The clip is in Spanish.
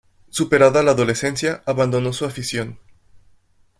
Superada la adolescencia abandonó su afición.